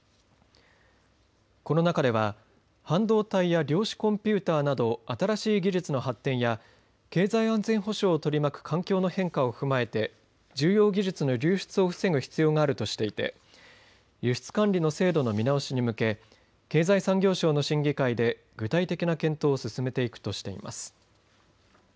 この中では半導体や量子コンピューターなど新しい技術の発展や経済安全保障を取り巻く環境の変化を踏まえて重要技術の流出を防ぐためとしていて輸出管理の制度の見直しに向け経済産業省の審議会で具体的な検討を進めていくとしています。